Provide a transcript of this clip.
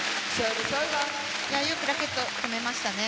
よくラケットを止めましたね。